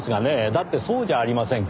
だってそうじゃありませんか。